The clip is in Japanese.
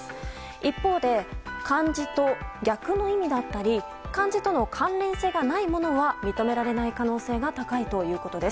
一方で、漢字と逆の意味だったり漢字との関連性がないものは認められない可能性が高いということです。